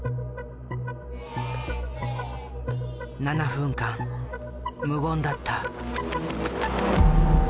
７分間無言だった。